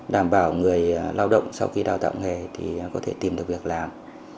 đảm bảo người lao động sau khi đào tạo nghề thì có thể tìm được việc làm